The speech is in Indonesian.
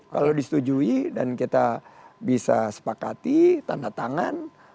kalau disetujui dan kita bisa sepakati tanda tangan